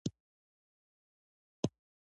دا د ټولو په ګټه ده.